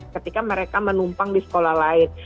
ketika mereka menumpang di sekolah lain